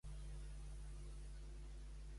Què li passava a Carrasco?